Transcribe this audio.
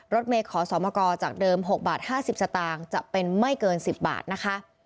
รถเมย์ขอสมกจากเดิม๖บาท๕๐สตางค์จะเป็นไม่เกิน๑๐บาทนะคะ